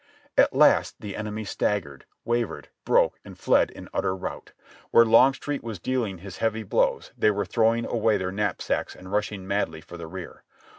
At last the enemy staggered, wavered, broke and fled in utter rout. Where Longstreet was dealing his heavy blows, they were throwing away their knapsacks and rushing madly for the rear.